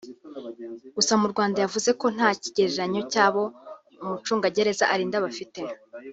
Gusa mu Rwanda yavuze ko nta kigereranyo cy’abo umucungagereza arinda bafite